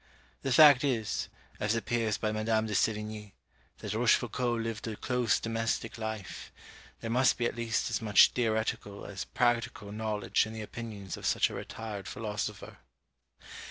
The fact is, as appears by Mad. de Sévigné, that Rochefoucault lived a close domestic life; there must be at least as much theoretical as practical knowledge in the opinions of such a retired philosopher.